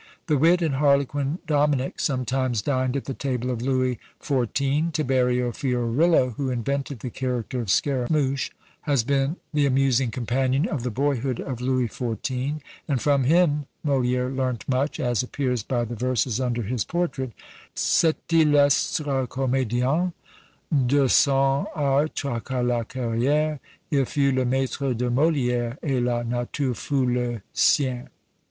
The Wit and Harlequin Dominic sometimes dined at the table of Louis XIV. Tiberio Fiorillo, who invented the character of Scaramouch, had been the amusing companion of the boyhood of Louis XIV.; and from him MoliÃẀre learnt much, as appears by the verses under his portrait: Cet illustre comédien De son art traça la carriÃẀre: Il fut le maître de MoliÃẀre, Et la Nature fut le sien.